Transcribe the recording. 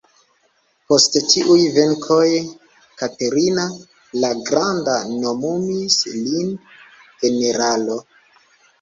Post tiuj venkoj, Katerina la Granda nomumis lin generalo.